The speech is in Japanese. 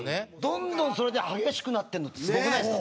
どんどんそれで激しくなってるのすごくないですか？